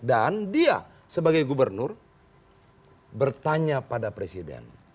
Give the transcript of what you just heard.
dan dia sebagai gubernur bertanya pada presiden